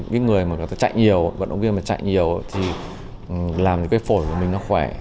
vận động viên mà chạy nhiều thì làm cái phổi của mình nó khỏe